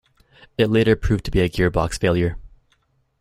It later proved to be a gearbox failure.